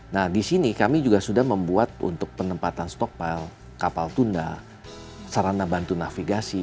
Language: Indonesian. nah disini kami juga sudah membuat untuk penempatan stokpile kapal tunda sarana bantu navigasi